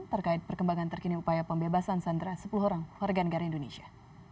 terkait perkembangan terkini upaya pembebasan sandera sepuluh orang warga negara indonesia